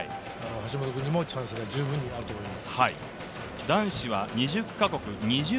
橋本君にもチャンスが十分にあると思います。